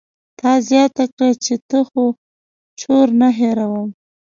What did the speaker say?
تا زياته کړه چې ته خو چور نه هېروم.